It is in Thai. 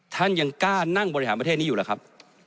ท่านยังกล้านั่งบริหารประเทศนี้อยู่หรือครับ